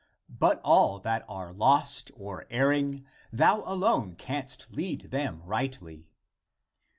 But all that are lost or erring, thou alone canst lead them rightly.